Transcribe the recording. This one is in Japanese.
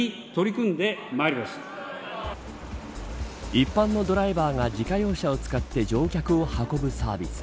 一般のドライバーが自家用車を使って乗客を運ぶサービス